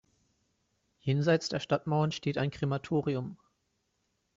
Jenseits der Stadtmauern steht ein Krematorium.